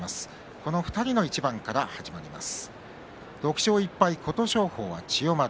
この２人の一番から始まります。